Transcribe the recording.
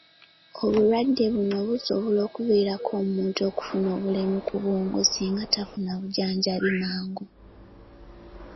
Obulwadde buno busobola okuviirako omuntu okufuna obulemu ku bwongo singa tafuna bujjanjabi mangu.